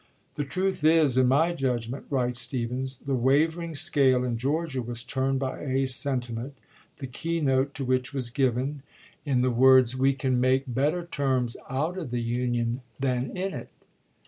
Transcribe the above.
" The truth is, in my judgment," writes Stephens, "the wavering scale in Georgia was turned by a sentiment, the key note to which was given in 190 ABEAHAM LINCOLN chap. xii. the words — 'We can make better terms out of the Union than in it.'